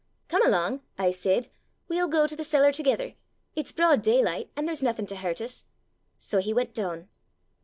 'Come along,' I said; 'we'll go to the cellar thegither! It's broad daylicht, an' there's nothing to hurt us!' So we went down.